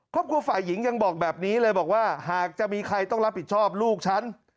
ครอบครัวฝ่ายหญิงยังบอกแบบนี้เลยบอกว่าหากจะมีใครต้องรับผิดชอบลูกฉัน